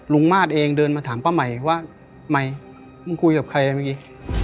มาสเองเดินมาถามป้าใหม่ว่าใหม่มึงคุยกับใครเมื่อกี้